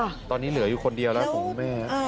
ตอนนี้เหลืออยู่คนเดียวแล้วของคุณแม่